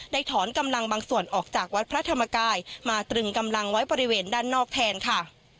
ถอนกำลังบางส่วนออกจากวัดพระธรรมกายมาตรึงกำลังไว้บริเวณด้านนอกแทนค่ะ